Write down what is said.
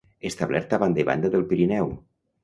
establert a banda i banda del Pirineu